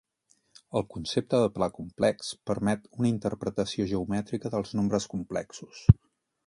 El concepte de pla complex permet una interpretació geomètrica dels nombres complexos.